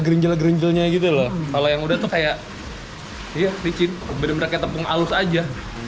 gerinjal gerinjal nya gitu loh kalau yang udah tuh kayak iya licin bener bener ke tepung alus aja